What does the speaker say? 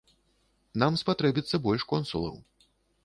Нам спатрэбіцца больш консулаў.